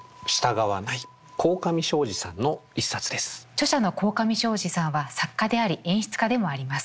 著者の鴻上尚史さんは作家であり演出家でもあります。